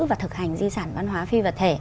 và thực hành di sản văn hóa phi vật thể